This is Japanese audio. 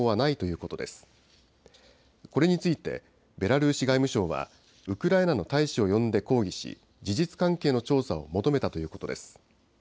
これについて、ベラルーシ外務省はウクライナの大使を呼んで抗議し、事実関係の調査を求めたということです。